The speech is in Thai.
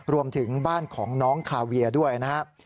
รวมถึงบ้านของน้องคาเวียด้วยนะครับ